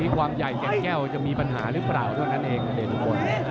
ความใหญ่เก่งแก้วจะมีปัญหาหรือเปล่าทุกคนทุกคน